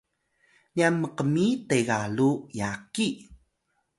nyan mkmi tegalu yaki